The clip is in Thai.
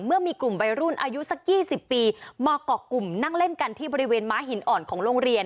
เมื่อมีกลุ่มวัยรุ่นอายุสัก๒๐ปีมาเกาะกลุ่มนั่งเล่นกันที่บริเวณม้าหินอ่อนของโรงเรียน